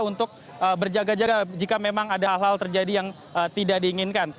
untuk berjaga jaga jika memang ada hal hal terjadi yang tidak diinginkan